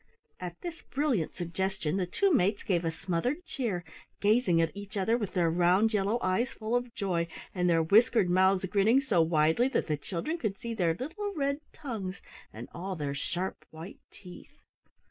At this brilliant suggestion the two mates gave a smothered cheer, gazing at each other with their round yellow eyes full of joy and their whiskered mouths grinning so widely that the children could see their little red tongues and all their sharp white teeth.